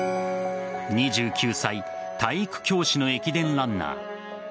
２９歳、体育教師の駅伝ランナー。